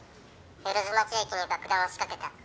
万町駅に爆弾を仕掛けた。